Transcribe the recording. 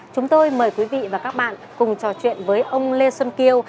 chúng tôi mời quý vị và các bạn cùng trò chuyện với ông lê xuân kiều